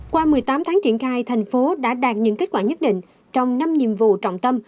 qua một mươi tám tháng triển khai thành phố đã đạt những kết quả nhất định trong năm nhiệm vụ trọng tâm